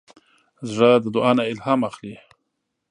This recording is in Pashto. زړه د دعا نه الهام اخلي.